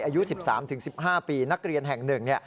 อายุ๑๓๑๕ปีนักเรียนแห่ง๑